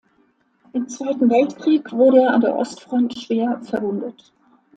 Im Zweiten Weltkrieg wurde er an der Ostfront schwer verwundet.